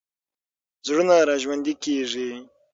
زړونه راژوندي کېږي.